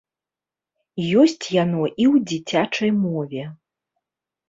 Ёсць яно і ў дзіцячай мове.